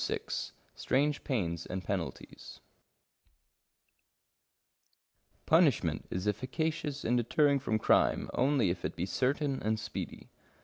88 STRANGE PAINS AND PENALTIES Punishment is efficacious in deterring from crime only if it be certain and speedy.